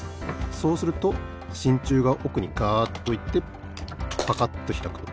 そうするとしんちゅうがおくにガッといってパカッとひらくと。